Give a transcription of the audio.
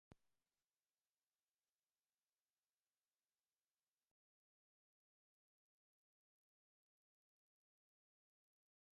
It is one of the world's largest nesting sites for green sea turtles.